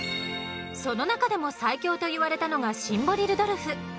その中でも最強と言われたのがシンボリルドルフ。